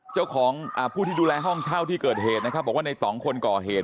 ผู้ที่ดูแลห้องเช่าที่เกิดเหตุนะครับบอกว่าในต่องคนก่อเหตุ